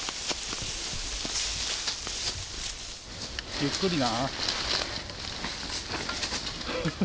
ゆっくりな。